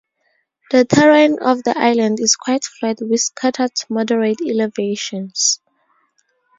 The terrain of the island is quite flat with scattered moderate elevations.